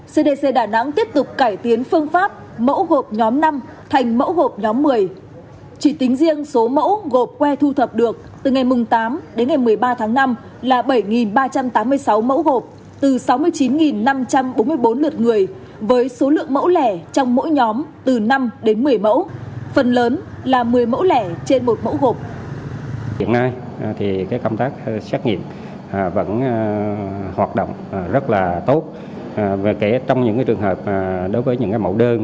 cdc đà nẵng tiếp tục cải tiến phương pháp mẫu gộp nhóm năm thành mẫu gộp nhóm một mươi